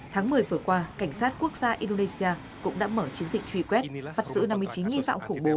tháng một mươi vừa qua cảnh sát quốc gia indonesia cũng đã mở chiến dịch truy quét bắt giữ năm mươi chín nghi phạm khủng bố